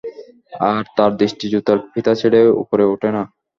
আর তার দৃষ্টি জুতার ফিতা ছেড়ে উপরে উঠে না।